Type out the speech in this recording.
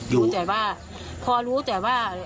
รู้แต่ว่าพอรู้แต่ว่า